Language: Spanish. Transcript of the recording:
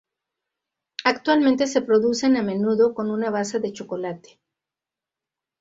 Actualmente se producen a menudo con una base de chocolate.